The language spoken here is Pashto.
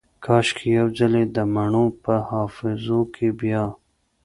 کاشکي یو ځلې دمڼو په حافظو کې بیا